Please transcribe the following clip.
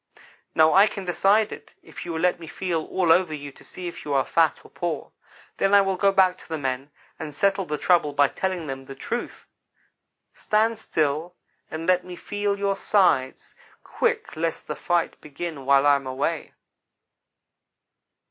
Now I can decide it, if you will let me feel all over you to see if you are fat or poor. Then I will go back to the men and settle the trouble by telling them the truth. Stand still and let me feel your sides quick, lest the fight begin while I am away.'